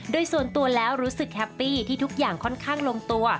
โดยส่วนตัวแล้วรู้สึกแฮปปี้ที่ทุกอย่างค่อนข้างลงตัว